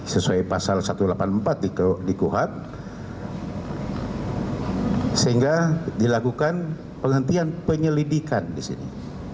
sesuai pasal satu ratus delapan puluh empat di kuhap sehingga dilakukan penghentian penyelidikan di sini